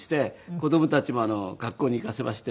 子供たちも学校に行かせまして。